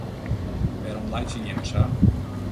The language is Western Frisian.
Wêrom laitsje jimme sa?